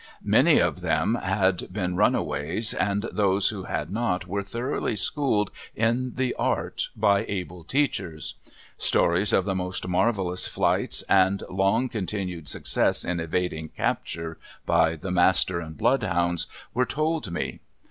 Many of them had been runaways, and those who had not were thoroughly schooled in the art by able teachers. Stories of the most marvelous flights and long continued success in evading capture by the master and blood hounds, were told me.